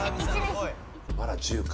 まだ１０か。